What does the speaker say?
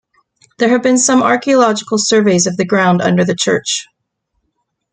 There have been some archaeological surveys of the ground under the church.